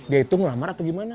dia itu ngelamar atau gimana